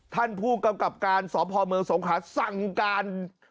ท่านผู้กำกับการสพเมืองสงขาสั่งการ